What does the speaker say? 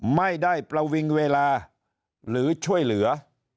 ไม่ได้ประวิงเวลาหรือช่วยเหลือ